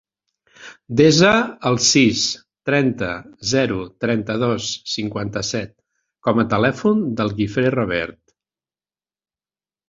Desa el sis, trenta, zero, trenta-dos, cinquanta-set com a telèfon del Guifré Revert.